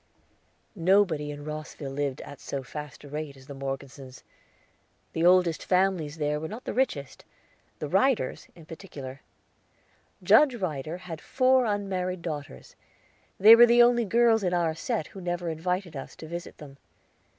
Nobody in Rosville lived at so fast a rate as the Morgesons. The oldest families there were not the richest the Ryders, in particular. Judge Ryder had four unmarried daughters; they were the only girls in our set who never invited us to visit them.